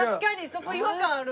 そこ違和感ある。